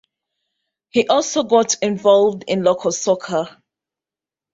He also got involved in local soccer.